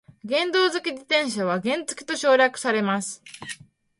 原動機付き自転車は原付と省略されます。